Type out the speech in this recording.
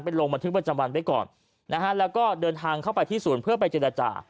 ลงบันทึกประจำวันไว้ก่อนนะฮะแล้วก็เดินทางเข้าไปที่ศูนย์เพื่อไปเจรจา